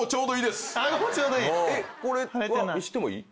これは見してもいい？